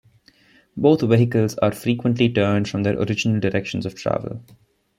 Both vehicles are frequently turned from their original directions of travel.